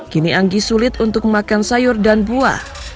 kini anggi sulit untuk makan sayur dan buah